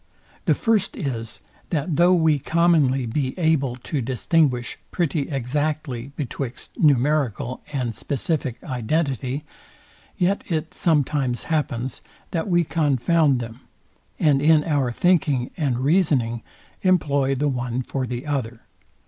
The first is, that though we commonly be able to distinguish pretty exactly betwixt numerical and specific identity, yet it sometimes happens, that we confound them, and in our thinking and reasoning employ the one for the other.